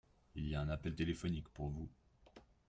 Il y a un appel téléphonique pour vous.